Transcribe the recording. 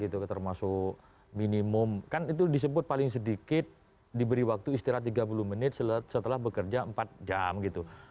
termasuk minimum kan itu disebut paling sedikit diberi waktu istirahat tiga puluh menit setelah bekerja empat jam gitu